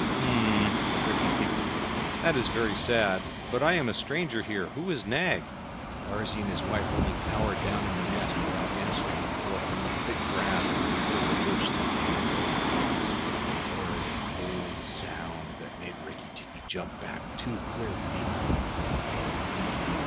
"H'm!" said Rikki tikki, "that is very sad but I am a stranger here. Who is Nag?" Darzee and his wife only cowered down in the nest without answering, for from the thick grass at the foot of the bush there came a low hiss a horrid cold sound that made Rikki tikki jump back two clear feet.